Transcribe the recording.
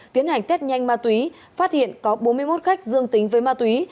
tiến hành test nhanh ma túy phát hiện có bốn mươi một khách dương tính với ma túy